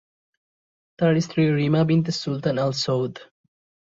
তার স্ত্রী Reema bint Sultan Al Saud.